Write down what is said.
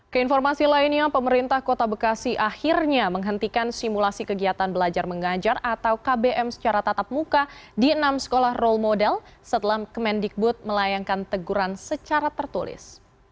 keinformasi lainnya pemerintah kota bekasi akhirnya menghentikan simulasi kegiatan belajar mengajar atau kbm secara tatap muka di enam sekolah role model setelah kemendikbud melayangkan teguran secara tertulis